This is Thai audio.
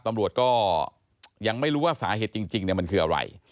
ตำรวจก็ยังไม่รู้ว่าสาเหตุจริงมันคืออะไร